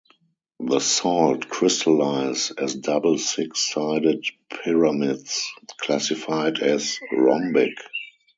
The salt crystallize as double six-sided pyramids, classified as rhombic.